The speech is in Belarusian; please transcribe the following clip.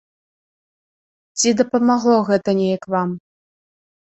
Ці дапамагло гэта неяк вам?